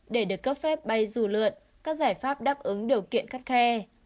để được cấp phép bay dù lượn các giải pháp đáp ứng điều kiện khắt khe